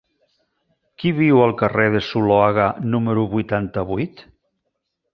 Qui viu al carrer de Zuloaga número vuitanta-vuit?